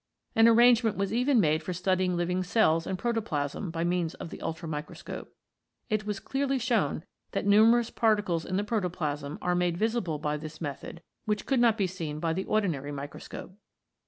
An arrangement was even made for studying living cells and protoplasm by means of the ultramicroscope. It was clearly shown that numerous particles in protoplasm are made visible by this method which could not be seen by the ordinary microscope.